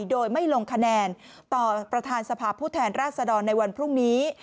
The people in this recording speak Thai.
โดยไม่ลงคะแนนต่อประธานสภาพผู้แทนราชดรในวันพรุ่งนี้